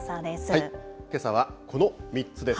けさはこの３つです。